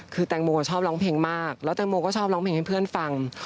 คือแตงโมชอบร้องเพลงมากแล้วแตงโมก็ชอบร้องเพลงให้เพื่อนฟัง